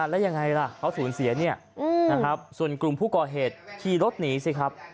แล้วยังไงล่ะเขาสูญเสียเนี่ยนะครับส่วนกลุ่มผู้ก่อเหตุขี่รถหนีสิครับ